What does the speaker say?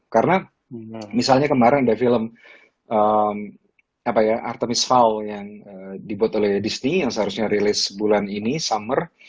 karena misalnya kemarin ada film artemis vow yang dibuat oleh disney yang seharusnya rilis bulan ini summer